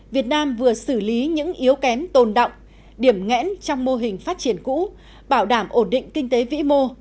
việt nam vừa xử lý những yếu kém tồn động điểm ngẽn trong mô hình phát triển cũ bảo đảm ổn định kinh tế vĩ mô